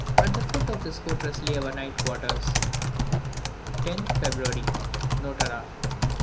At the foot of this fortress lay our night quarters. 10th February. Notara.